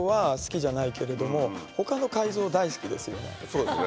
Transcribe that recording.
そうですね。